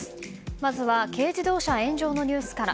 まずは軽自動車炎上のニュースから。